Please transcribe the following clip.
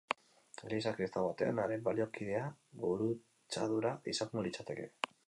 Eliza kristau batean, haren baliokidea, gurutzadura izango litzateke.